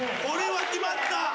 これは決まった！